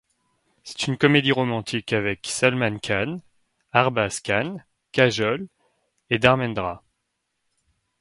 C’est une comédie romantique avec Salman Khan, Arbaaz Khan, Kajol et Dharmendra.